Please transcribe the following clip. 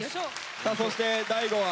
さあそして大吾は？